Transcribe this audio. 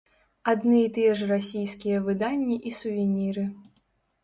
Адны і тыя ж расійскія выданні і сувеніры.